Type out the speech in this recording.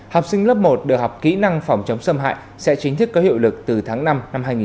học sinh lớp một được học kỹ năng phòng chống xâm hại sẽ chính thức có hiệu lực từ tháng năm năm hai nghìn hai mươi